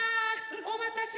おまたせ。